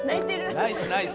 ナイスナイス。